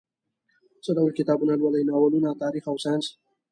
څه ډول کتابونه لولئ؟ ناولونه، تاریخ او ساینس